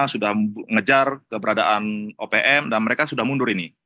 sudah mengejar keberadaan opm dan mereka sudah mundur ini